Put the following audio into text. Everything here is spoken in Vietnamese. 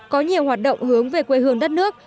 có nhiều hoạt động hướng về quê hương đất nước